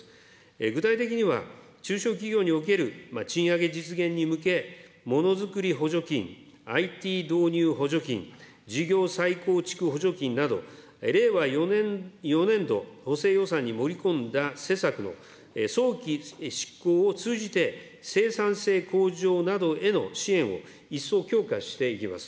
具体的には、中小企業における賃上げ実現に向け、ものづくり補助金、ＩＴ導入補助金、事業再構築補助金など、令和４年度補正予算に盛り込んだ施策の早期執行を通じて、生産性向上などへの支援を、一層強化していきます。